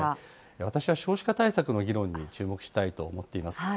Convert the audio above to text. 私は少子化対策の議論に注目したいと思っています。